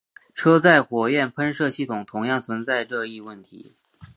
车载火焰喷射系统同样存在这一问题。